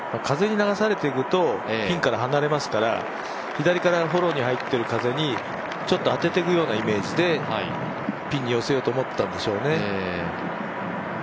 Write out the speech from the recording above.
風に流されていくと、ピンから離れますから左からフォローに入ってる風に当てていくようなイメージでピンに寄せようと思ったんでしょうね。